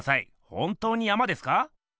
本当に山ですか？